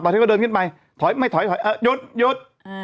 ตอนนี้ก็เดินขึ้นไปถอยไม่ถอยถอยอ่ะหยุดหยุด